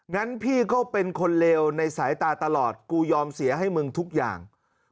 งั้นพี่ก็เป็นคนเลวในสายตาตลอดกูยอมเสียให้มึงทุกอย่าง